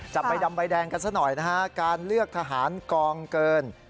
จับใบดำใบแดงกันซะหน่อยนะฮะการเลือกทหารกองเกิน